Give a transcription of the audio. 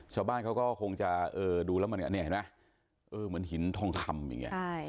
ชาวบ้านก็คงดูแล้วมันเห็นไหมเหมือนหินทองธรรมอย่างนี้